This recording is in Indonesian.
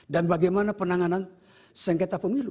dan bagaimana penanganan sengketa pemilu